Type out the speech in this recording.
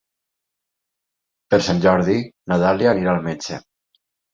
Per Sant Jordi na Dàlia anirà al metge.